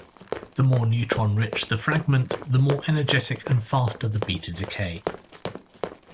The more neutron rich the fragment, the more energetic and faster the beta decay.